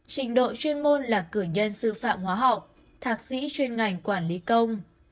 trình độ chuyên môn là cử nhân sư phạm hóa học thạc sĩ chuyên ngành quản lý công